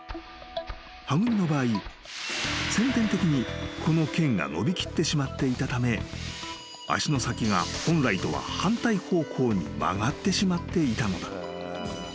［はぐみの場合先天的にこのけんが伸びきってしまっていたため足の先が本来とは反対方向に曲がってしまっていたのだ］